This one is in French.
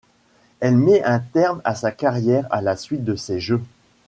Elle met un terme à sa carrière à la suite de ces Jeux.